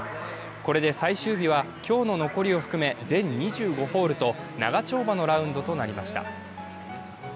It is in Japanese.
これで最終日は、今日の残りを含め全２５ホールと長丁場のラウンドとなりました。